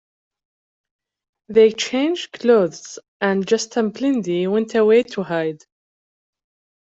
They changed clothes and Gestumblindi went away to hide.